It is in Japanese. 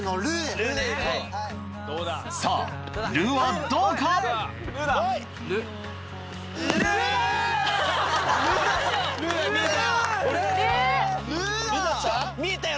さぁ「る」はどうか⁉見えたよ！